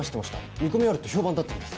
見込みあるって評判だったんです・